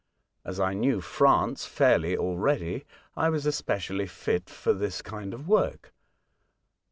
As I knew France fairly already I was especially fit for this kind of work.